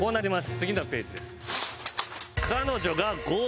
次のページです。